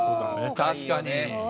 確かに。